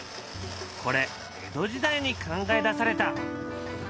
これ江戸時代に考え出された。